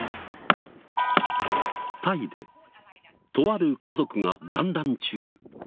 タイでとある家族がだんらん中。